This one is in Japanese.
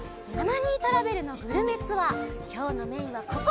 トラベルのグルメツアーきょうのメインはここ！